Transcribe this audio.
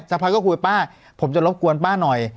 สักครั้งก็คุยป้าผมจะรบกวนป้าหน่อย